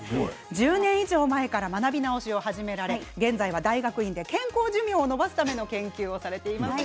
１０年以上前から学び直しを始められ現在は大学院で健康寿命を延ばすための研究をされています。